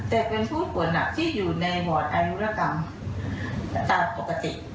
แต่เป็นผู้ป่วยหนักที่อยู่ในหมวดอายุรกรรมตามปกติ